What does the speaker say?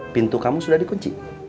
pintu kamu sudah dikunci